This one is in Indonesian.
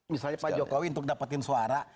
misalnya pak jokowi untuk dapetin suara